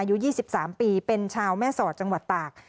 อายุยี่สิบสามปีเป็นชาวแม่สอดจังหวัดตาก